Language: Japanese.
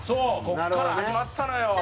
ここから始まったのよ。